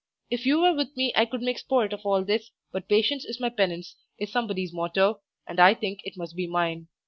If you were with me I could make sport of all this; but "patience is my penance" is somebody's motto, and I think it must be mine.